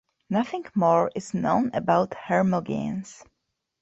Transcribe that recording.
Nothing more is known about Hermogenes.